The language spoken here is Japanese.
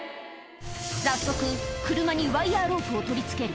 早速、車にワイヤロープを取り付ける。